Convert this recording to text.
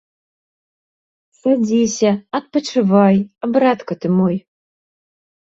Садзіся, адпачывай, а братка ты мой!